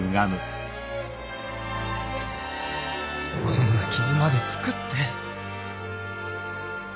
こんな傷まで作って。